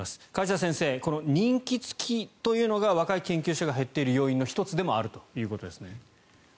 梶田先生、任期付きというのが若い研究者が減っている要因の１つでもあるということですね。